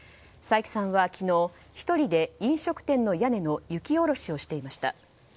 斎木さんは昨日１人で飲食店の屋根の雪下ろしをしていました。